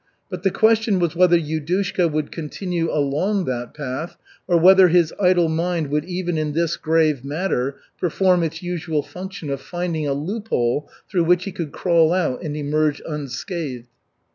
But the question was whether Yudushka would continue along that path or whether his idle mind would even in this grave matter perform its usual function of finding a loophole through which he could crawl out and emerge unscathed.